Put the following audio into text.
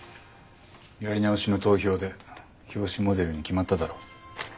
やり直しの投票で表紙モデルに決まっただろ。